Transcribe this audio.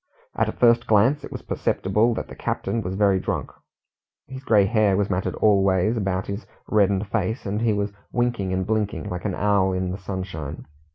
At a first glance it was perceptible that the captain was very drunk. His grey hair was matted all ways about his reddened face, and he was winking and blinking like an owl in the sunshine.